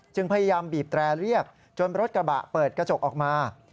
พยายามบีบแตรเรียกจนรถกระบะเปิดกระจกออกมา